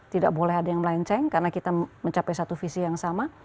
tidak boleh ada yang melenceng karena kita mencapai satu visi yang sama